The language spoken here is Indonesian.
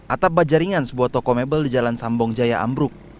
atap bajaringan sebuah toko mebel di jalan sambong jaya ambruk